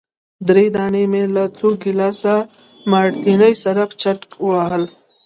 درې دانې مي له څو ګیلاسه مارټیني سره چټ وهل.